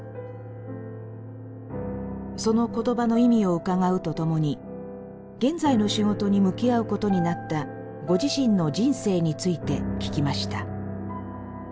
その言葉の意味を伺うとともに現在の仕事に向き合うことになったご自身の人生について聞きました。